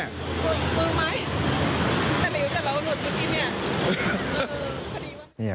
เป็นไงว่าจะลุดตรงนี้